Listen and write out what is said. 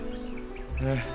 ええ。